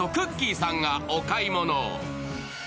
さんがお買い物。